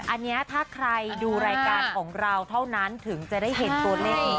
อันนี้ถ้าใครดูรายการของเราเท่านั้นถึงจะได้เห็นตัวเลขนี้